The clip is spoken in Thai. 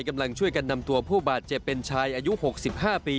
กำลังช่วยกันนำตัวผู้บาดเจ็บเป็นชายอายุ๖๕ปี